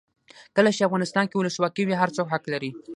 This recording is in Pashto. کله چې افغانستان کې ولسواکي وي هر څوک حق لري.